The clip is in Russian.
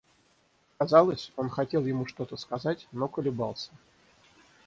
Казалось, он хотел ему что-то сказать, но колебался.